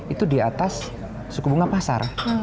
itu di atas suku bunga pasar